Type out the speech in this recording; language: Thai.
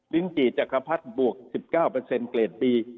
ลิ้นกี่จักรพรรดิบวก๑๙เปอร์เซ็นต์เกลดปี